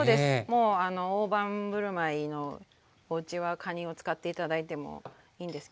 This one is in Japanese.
もう大盤振る舞いのおうちはかにを使って頂いてもいいんですけど。